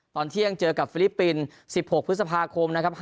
ตอนเที่ยงเจอกับฟิลิปปินส์๑๖พฤษภาคมนะครับ